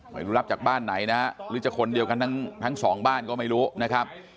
ไม่รู้รับจากบ้านไหนนะฮะหรือจะคนเดียวกันทั้งสองบ้านก็ไม่รู้นะครับ